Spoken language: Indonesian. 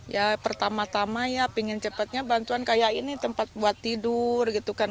ya pertama tama ya pengen cepatnya bantuan kayak ini tempat buat tidur gitu kan